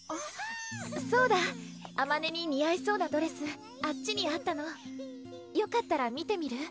そうだあまねに似合いそうなドレスあっちにあったのよかったら見てみる？